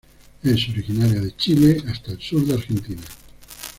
Es originaria de Chile hasta el sur de Argentina.